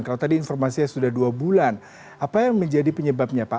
kalau tadi informasinya sudah dua bulan apa yang menjadi penyebabnya pak